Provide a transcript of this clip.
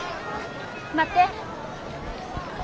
待って。